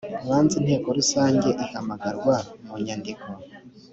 banze inteko rusange ihamagarwa mu nyandiko .